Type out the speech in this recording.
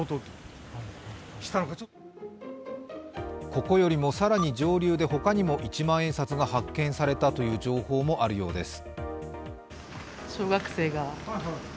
ここよりも更に上流で他にも一万円札が発見されたという情報もあるようです。